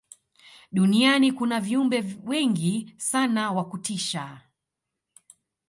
duniani kuna viumbe wengi sana wa kutisha